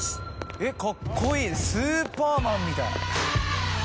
えっカッコいいスーパーマンみたい。